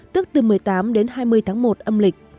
tức từ một mươi tám đến hai mươi tháng một âm lịch